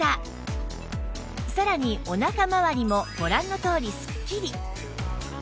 さらにお腹まわりもご覧のとおりスッキリ！